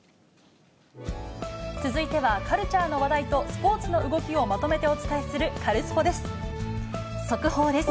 続いては、カルチャーの話題とスポーツの動きをまとめてお伝えするカルスポ速報です。